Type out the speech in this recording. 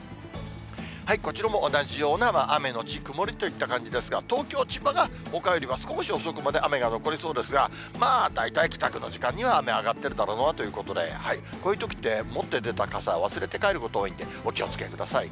こちらも同じような、雨後曇りといった感じですが、東京、千葉がほかよりは少し遅くまで雨が残りそうですが、まあ大体、帰宅の時間には雨、上がってるだろうなということで、こういうときって、持って出た傘、忘れて帰ること多いんで、お気をつけください。